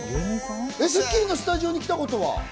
『スッキリ』のスタジオに来たことは？